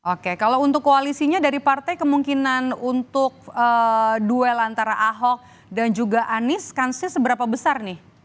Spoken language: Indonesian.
oke kalau untuk koalisinya dari partai kemungkinan untuk duel antara ahok dan juga anies kansnya seberapa besar nih